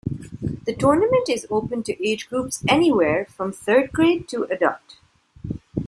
The tournament is open to age groups anywhere from third grade to adult.